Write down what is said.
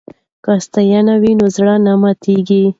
که ستاینه وي نو زړه نه ماتیږي.